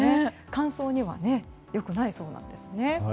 乾燥には良くないそうです。